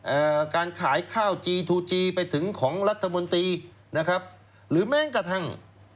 เอ่อการขายข้าวจีทูจีไปถึงของรัฐมนตรีนะครับหรือแม้กระทั่ง